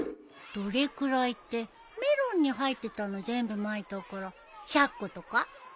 どれくらいってメロンに入ってたの全部まいたから１００個とか？